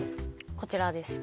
こちらです